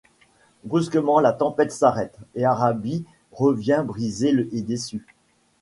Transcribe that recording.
Brusquement la tempête s’arrête et Abaris revient brisé et déçu.